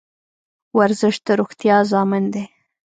ورزش د روغتیا ضامن دی